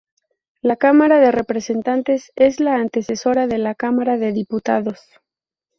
La Cámara de Representantes es la antecesora de la Cámara de Diputados.